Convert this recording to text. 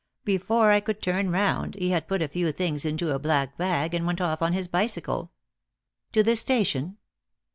Before I could turn round, he had put a few things into a black bag, and went off on his bicycle." "To the station?"